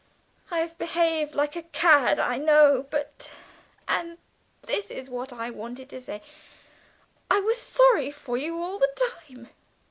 I've behaved like a cad, I know, but, and this is what I wanted to say, I was sorry for you all the time."